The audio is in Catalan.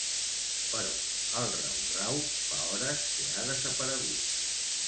Però el rau-rau fa hores que ha desaparegut.